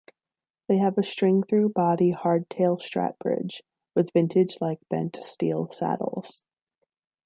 They have a string-through-body hardtail 'Strat' bridge, with vintage-like bent-steel saddles.